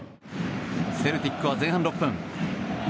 セルティックは前半６分。